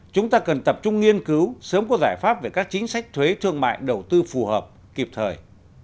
chúng ta cần tập trung nghiên cứu sớm có giải pháp về các chính sách thuế thương mại đầu tư phù hợp kịp thời